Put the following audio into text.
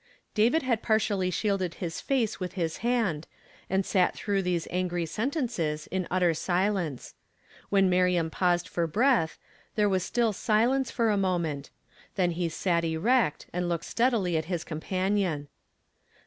David had partially shielded his face with his hand, and sat through these angry sentences in utter silence. When Miriam paused for breath, there was still silence for a moment ; then he sat erect, and looked steadily at his companion.